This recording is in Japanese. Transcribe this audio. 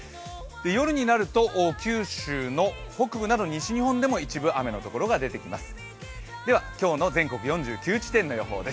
夜になると九州の北部など西日本でも一部雨のところが出てきます。